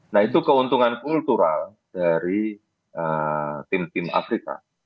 nah itu keuntungan kultural dari tim tim afrika